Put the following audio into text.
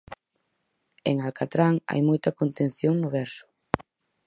En 'Alcatrán' hai moita contención no verso.